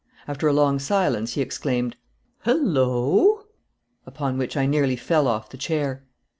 After a long silence he exclaimed, "Hullo!" upon which I nearly fell off the chair.